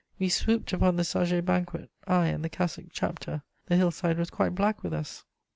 We swooped upon the Saget banquet, I and the cassocked chapter: the hill side was quite black with us.